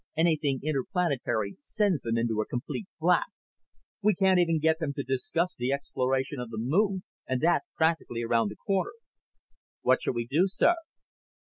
Anything interplanetary sends them into a complete flap. We can't even get them to discuss the exploration of the moon, and that's practically around the corner." "What shall we do, sir?"